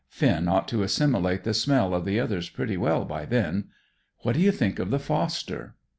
Finn ought to assimilate the smell of the others pretty well by then. What do you think of the foster?"